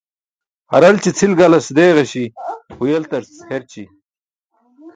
Haralci c̣ʰil galas deeġaśi̇ huyeltarc herći̇.